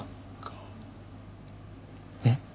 えっ？